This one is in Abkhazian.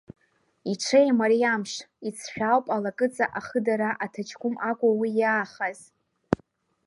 Иҽеим ари амш, иҵшәаауп алакыҵа ахыдара аҭаҷкәым акәу уи иаахаз.